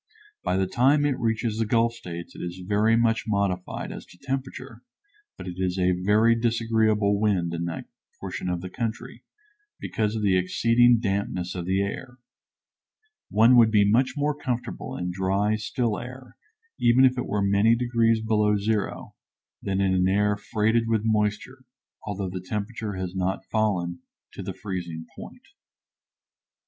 By the time it reaches the Gulf States it is very much modified as to temperature, but it is a very disagreeable wind in that portion of the country, because of the exceeding dampness of the air. One would be much more comfortable in dry, still air, even if it were many degrees below zero, than in an air freighted with moisture, although the temperature has not fallen to the freezing point.